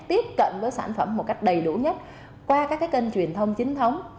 tiếp cận với sản phẩm một cách đầy đủ nhất qua các kênh truyền thông chính thống